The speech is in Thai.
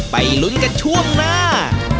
ไปลุ้นกันช่วงหน้า